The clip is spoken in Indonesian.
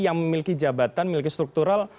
yang memiliki jabatan memiliki struktural